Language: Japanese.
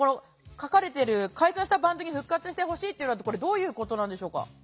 書かれている解散したバンドに復活してほしいというのはどういうことでしょうか？